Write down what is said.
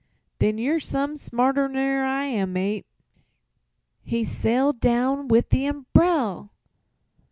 "Then you're some smarter ner I am, mate." "He sailed down with the umbrel!"